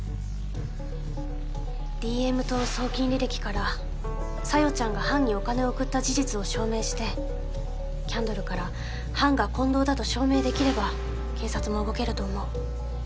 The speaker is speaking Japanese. ＤＭと送金履歴から紗世ちゃんがハンにお金を送った事実を証明してキャンドルからハンが近藤だと証明できれば警察も動けると思う。